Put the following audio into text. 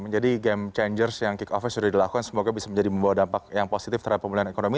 jadi game changer yang kick off nya sudah dilakukan semoga bisa membawa dampak yang positif terhadap pemulihan ekonomi